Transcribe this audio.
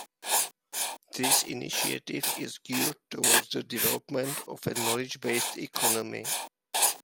This initiative is geared towards the development of a knowledge-based economy.